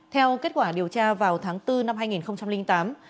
theo kết quả điều tra vào tháng bốn năm hai nghìn tám